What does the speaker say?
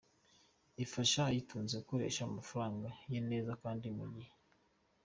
Ifasha uyitunze gukoresha amafaranga ye neza kandi ku gihe.